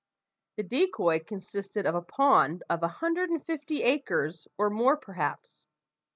The decoy consisted of a pond of a hundred and fifty acres, or more perhaps.